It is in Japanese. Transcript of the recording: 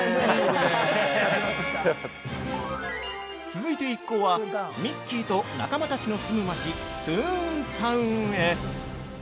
◆続いて一行はミッキーと仲間たちの住む街トゥーンタウンへ。